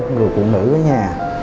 người phụ nữ ở nhà